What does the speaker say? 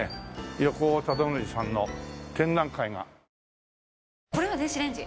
横尾忠則さんの展覧会が。